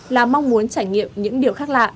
là mong muốn trải nghiệm những điều khác lạ